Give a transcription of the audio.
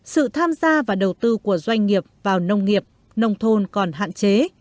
sự tham gia và đầu tư của doanh nghiệp vào nông nghiệp nông thôn còn hạn chế